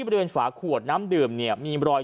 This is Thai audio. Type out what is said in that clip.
บริเวณฝาขวดน้ำดื่มเนี่ยมีรอย